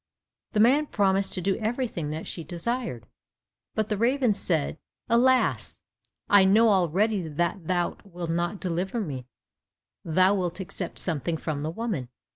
The man promised to do everything that she desired, but the raven said, alas, "I know already that thou wilt not deliver me; thou wilt accept something from the woman."